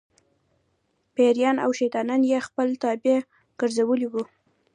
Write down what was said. پېریان او شیطانان یې خپل تابع ګرځولي وو.